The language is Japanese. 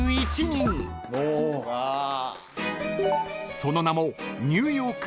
［その名も］